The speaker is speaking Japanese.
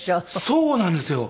そうなんですよ。